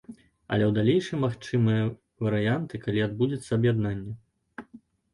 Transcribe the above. Але ў далейшым магчымыя варыянты, калі адбудзецца аб'яднанне.